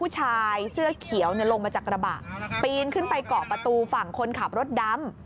ผู้ชายเสื้อเขียวลงมาจากกระบะปีนขึ้นไปเกาะประตูฝั่งคนขับรถดำ